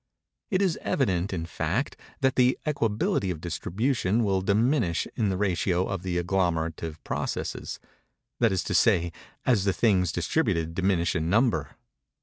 It is evident, in fact, that the equability of distribution will diminish in the ratio of the agglomerative processes—that is to say, as the things distributed diminish in number.